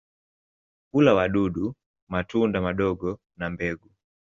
Hula wadudu, matunda madogo na mbegu.